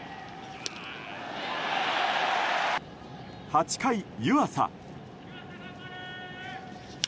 ８回、湯浅。